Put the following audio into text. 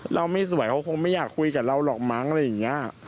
เราไม่สวยเขาคงไม่อยากคุยกับเราหรอกมั้งอะไรอย่างนี้